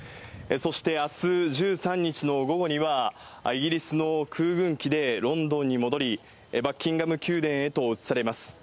そしてあす１３日の午後には午後には、イギリスの空軍機でロンドンに戻り、バッキンガム宮殿へと移されます。